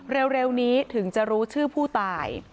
เร็วนี้ถึงจะรู้ชื่อผู้ตาย